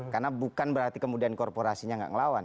karena bukan berarti kemudian korporasinya gak ngelawan